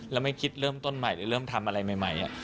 แล้วไม่คิดเริ่มต้นใหม่หรือเริ่มทำอะไรใหม่